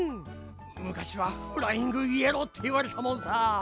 むかしは「フライングイエロー」っていわれたもんさ。